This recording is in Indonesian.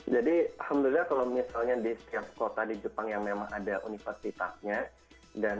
jadi alhamdulillah kalau misalnya di setiap kota di jepang yang memang ada universitasnya dan